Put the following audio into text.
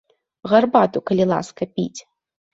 Гарбату, калі ласка, піць.